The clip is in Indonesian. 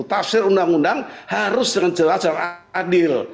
tafsir undang undang harus dengan jelas dan adil